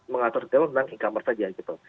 mengatur jauh tentang e commerce saja gitu